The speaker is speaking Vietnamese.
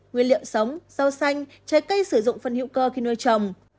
nguyên liệu sống rau xanh trái cây sử dụng phân hữu cơ khi nuôi trồng